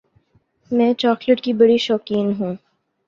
میں چاکلیٹ کی بڑی شوقین ہوں۔